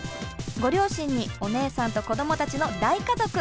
ご両親にお姉さんと子どもたちの大家族。